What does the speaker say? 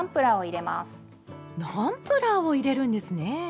ナンプラーを入れるんですね！